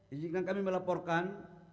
injilkan kami melaporkan